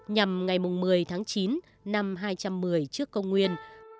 nhằm ngày một mươi tháng chín năm hai trăm một mươi trước công nguyên